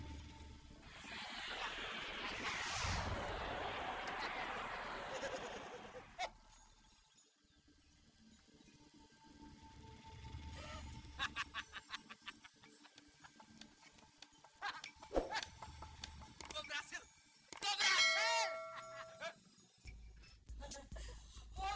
gue berhasil gue berhasil